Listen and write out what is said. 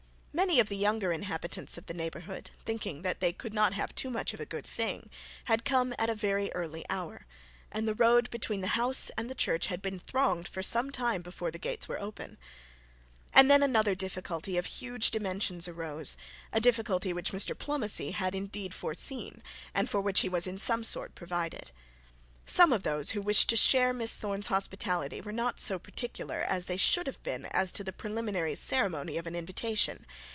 Many of the younger inhabitants of the neighbourhood, thinking that they could not have too much of a good thing, had come at a very early hour, and the road between the house and the church had been thronged for some time before the gates were thrown open. And then another difficulty of huge dimensions arose, a difficulty which Mr Plomacy had indeed foreseen, and for which he was in some sort provided. Some of those who wished to share Miss Thorne's hospitality were not so particular that they should have been as to the preliminary ceremony of an invitation.